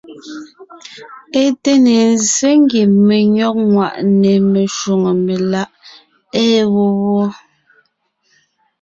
É té ne ńzsé ngie menÿɔ́g ŋwàʼne meshwóŋè meláʼ ée wó wɔ́.